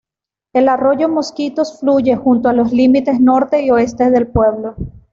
El arroyo Mosquitos fluye junto a los límites norte y oeste del pueblo.